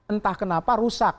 entah kenapa rusak